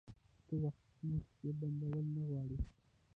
ته وخت په موټې کي بندول نه غواړي